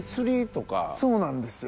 そうなんですよ。